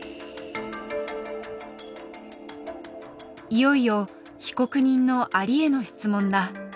いよいよ被告人のアリへの質問だ。